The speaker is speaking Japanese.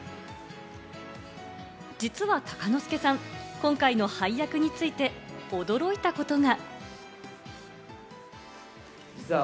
実は鷹之資さん、今回の配役について驚いたことが。